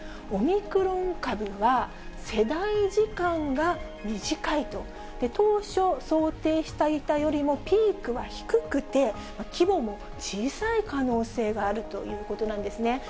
オミクロン株は世代時間が短いと、当初想定していたよりもピークは低くて規模も小さい可能性があるということなんですね。